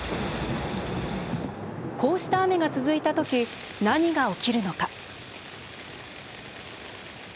こうした雨が続いたとき何が起きるのか。